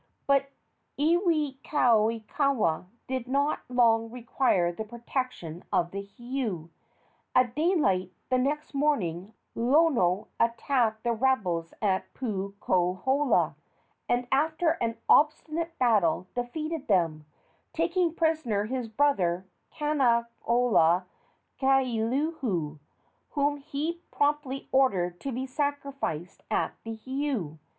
But Iwikauikaua did not long require the protection of the heiau. At daylight the next morning Lono attacked the rebels at Puukohola, and after an obstinate battle defeated them, taking prisoner his brother Kanaloa kakulehu, whom he promptly ordered to be sacrificed at the heiau.